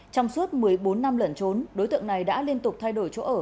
trong suốt một mươi bốn năm lẩn trốn đối tượng này đã liên tục thay đổi chỗ ở